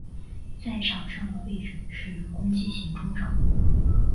在场上的位置是攻击型中场。